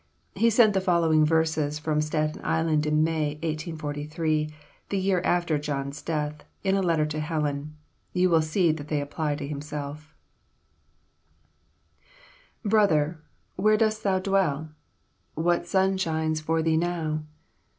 He sent the following verses from Staten Island in May, 1843, the year after John's death, in a letter to Helen. You will see that they apply to himself:" "Brother, where dost thou dwell? What sun shines for thee now?